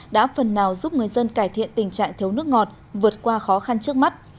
đã phần nào giúp người dân cải thiện tình trạng thiếu nước ngọt vượt qua khó khăn trước mắt